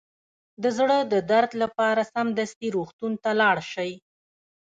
د زړه د درد لپاره سمدستي روغتون ته لاړ شئ